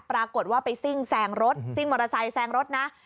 ปรากฏว่าไปซิ่งแซงรถซิ่งมอเตอร์ไซค์แซงรถนะ